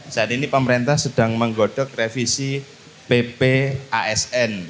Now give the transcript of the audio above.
saat ini pemerintah sedang menggodok revisi ppasn